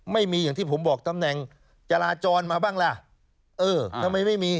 ไม่มีอย่างที่ผมบอกตำแหน่งจราจรมาบ้างล่ะเออทำไมไม่มี